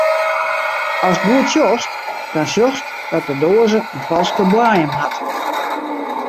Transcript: Ast goed sjochst, dan sjochst dat de doaze in falske boaiem hat.